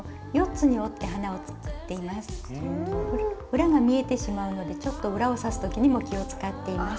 裏が見えてしまうのでちょっと裏を刺す時にも気を遣っています。